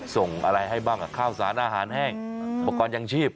ส่งอะไรให้บ้างข้าวสารอาหารแห้งอุปกรณ์ยังชีพ